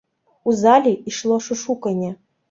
У зале ішло шушуканне.